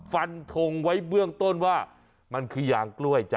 ฟันทงไว้เบื้องต้นว่ามันคือยางกล้วยจ้